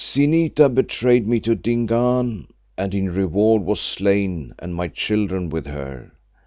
Zinita betrayed me to Dingaan and in reward was slain, and my children with her.